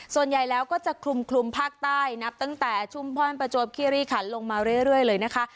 ส่วนใหญ่แล้วก็จะคลุมภาคใต้นับตั้งแต่ชุมพรประจวบคิริขันลงมาเรื่อยเลยนะคะ